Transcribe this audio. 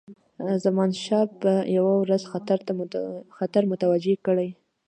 زمانشاه به یو ورځ خطر متوجه کړي.